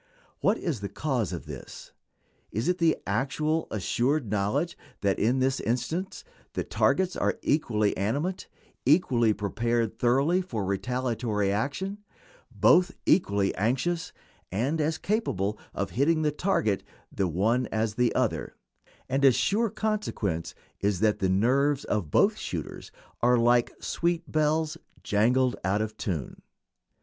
What is the cause of this? It is the actual, assured knowledge that in this instance the targets are equally animate, equally prepared thoroughly for retaliatory action, both equally anxious, and as capable of hitting the target the one as the other, and a sure consequence is that the nerves of both shooters are "like sweet bells, jangled, out of tune."